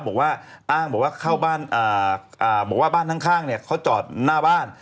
บอกว่าบ้านข้างเขาจอดหน้าบ้าน